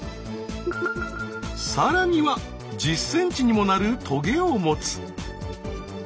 さらには１０ｃｍにもなるトゲを持つ。